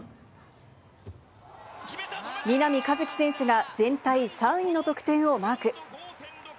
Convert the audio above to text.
南一輝選手が全体３位の得点をマーク。